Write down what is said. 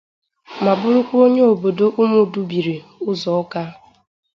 ma bụrụkwa onye obodo Umudubiri Uzoakwa